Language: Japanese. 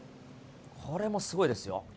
これもすごいですよ。